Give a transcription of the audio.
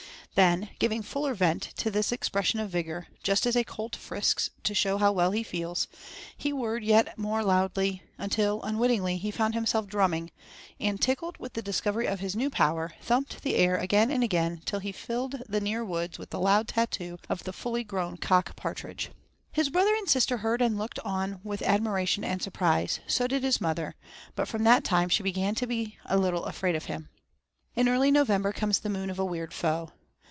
Then, giving fuller vent to this expression of vigor, just as a colt frisks to show how well he feels, he whirred yet more loudly, until, unwittingly, he found himself drumming, and tickled with the discovery of his new power, thumped the air again and again till he filled the near woods with the loud tattoo of the fully grown cock partridge. His brother and sister heard and looked on with admiration and surprise, so did his mother, but from that time she began to be a little afraid of him. In early November comes the moon of a weird foe.